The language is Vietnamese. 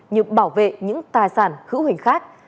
như bảo vệ những tài sản hữu hình khác